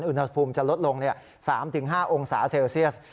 อุณหภูมิจะลดลง๓๕องศาเซลเซียส